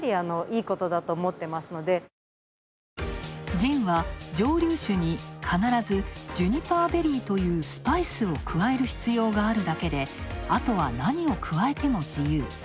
ジンは、蒸留酒に必ずジュニパーベリーというスパイスを加える必要があるだけで、あとは何を加えても自由。